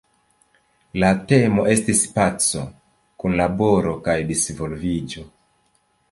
La temo estis "Paco, Kunlaboro kaj Disvolviĝo".